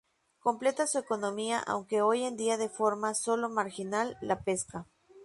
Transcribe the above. Completa su economía, aunque hoy en día de forma sólo marginal, la pesca.